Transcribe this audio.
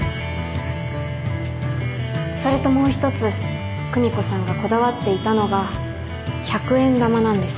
それともう一つ久美子さんがこだわっていたのが百円玉なんです。